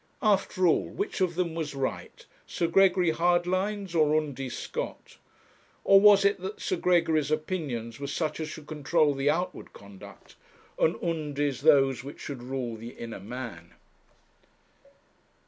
After all, which of them was right, Sir Gregory Hardlines or Undy Scott? Or was it that Sir Gregory's opinions were such as should control the outward conduct, and Undy's those which should rule the inner man?